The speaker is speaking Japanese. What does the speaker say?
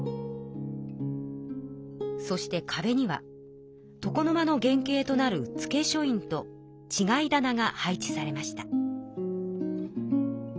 そしてかべにはとこのまの原型となる付書院とちがい棚が配置されました。